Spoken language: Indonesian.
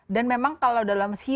dan memang kalau dalam sejarah